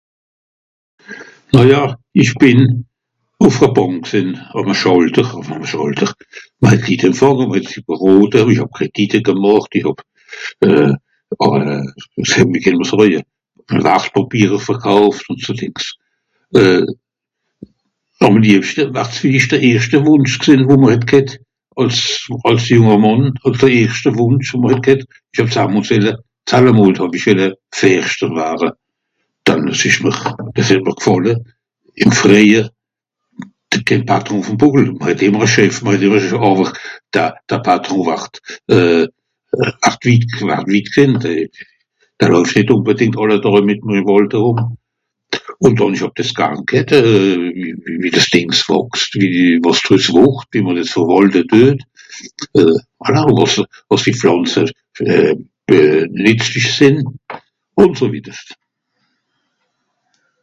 Na ja, ìch bìn ùff're Bànk gsìnn. Àm e Schàlter, enfin, àm e Schàlter. Mr het d'litt empfànge, mr het d'Litt berote, ìch hàb Kredite gemàcht, ìch hàb euh... (...) verkauft ùn so Dìngs. Euh... àm liebschte ward's vìllicht de erschte Wùnsch, wo mr het ghet, àls... àls Zìmmermànn (...) de erschte Wùnsch, wo mr het ghet. Ìch hàb (...) sallamols hàw-ich (...) ware. Dann es ìsch mr... es het mr gfàlle, ìm friehjer, (...) àwer de... de Patron ward euh... (...). Ùn dànn ìch hàb dìs garn ghet euh... (...) euh... voilà (...) ùn so widderscht.